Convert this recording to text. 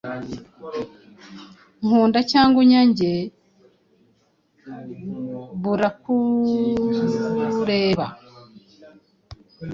Nkunda cyangwa unyange burakureba